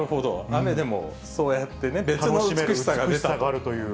雨でもそうやってね、別の美しさがあるという。